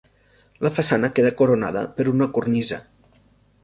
La façana queda coronada per una cornisa.